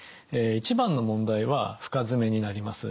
一番の問題は深爪になります。